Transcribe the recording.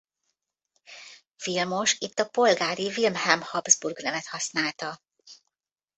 Vilmos itt a polgári Wilhelm Habsburg nevet használta.